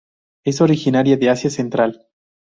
Es originario de Asia Central.